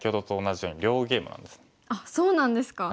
あっそうなんですか。